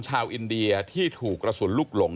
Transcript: ชาวอินเดียที่ถูกกระสุนลูกหลง